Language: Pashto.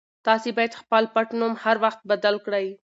تاسي باید خپل پټنوم هر وخت بدل کړئ.